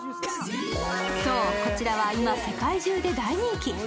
こちらは今、世界中で大人気。